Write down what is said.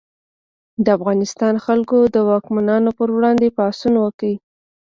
د افغانستان خلکو د واکمنانو پر وړاندې پاڅون وکړ.